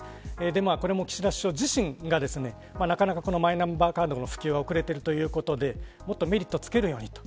これも岸田首相自身がなかなかマイナンバーカードの普及が遅れているということでもっとメリットつけるようにと。